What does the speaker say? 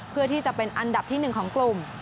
เพื่อที่จะเป็นอันดับที่๑ของกลุ่ม